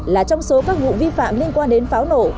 là trong số các vụ vi phạm liên quan đến pháo nổ